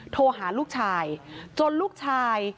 โทรหาลูกชายจนลูกชาย